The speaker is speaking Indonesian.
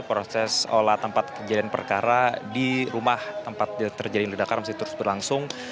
proses olah tempat kejadian perkara di rumah tempat terjadi ledakan masih terus berlangsung